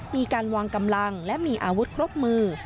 มีการวางกำลังและมีอาวุธครบมือ